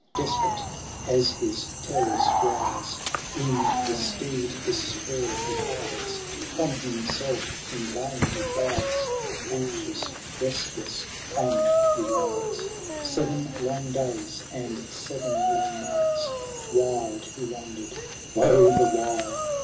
Desperate, as his terrors rise, In the steed the spur he hides ; From himself in vain he flies ; Anxious, restless, on he rides. Seven long days, and seven long nights, Wild he wandered, woe the while